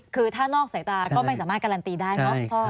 คือถ้านอกสายตาก็ไม่สามารถการันตีได้เนอะ